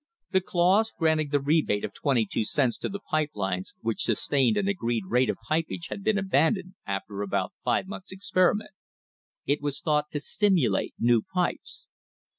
The clause granting the rebate of twenty two cents to the pipe lines which sustained an agreed rate of pipage had been abandoned after about five months' experiment. It was thought to stimulate new pipes.